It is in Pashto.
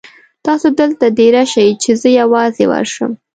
تاسو دلته دېره شئ چې زه یوازې ورشم.